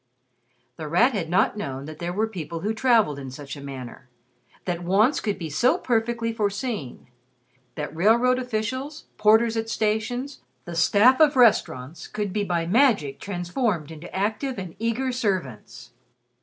The Rat had not known that there were people who traveled in such a manner; that wants could be so perfectly foreseen; that railroad officials, porters at stations, the staff of restaurants, could be by magic transformed into active and eager servants.